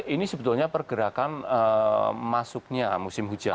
ini sebetulnya pergerakan masuknya musim hujan